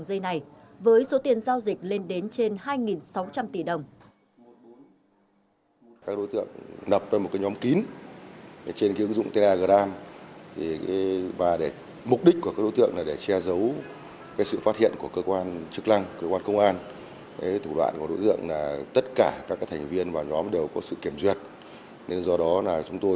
gần bốn người đã tham gia đường dây này với số tiền giao dịch lên đến trên hai sáu trăm linh tỷ đồng